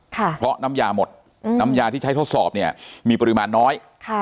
เพราะน้ำยาหมดน้ำยาที่ใช้ทดสอบเนี่ยมีปริมาณน้อย